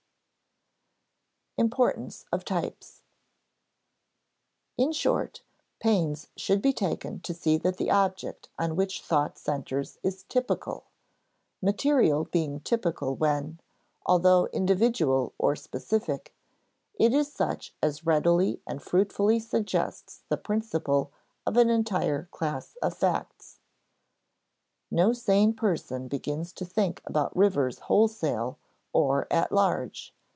[Sidenote: Importance of types] In short, pains should be taken to see that the object on which thought centers is typical: material being typical when, although individual or specific, it is such as readily and fruitfully suggests the principles of an entire class of facts. No sane person begins to think about rivers wholesale or at large.